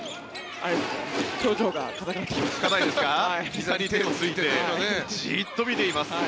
ひざに手をついてじっと見ています。